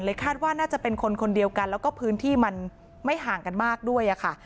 คาดว่าน่าจะเป็นคนคนเดียวกันแล้วก็พื้นที่มันไม่ห่างกันมากด้วยค่ะ